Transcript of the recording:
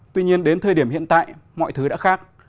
tuy nhiên đến thời điểm hiện tại mọi thứ đã khác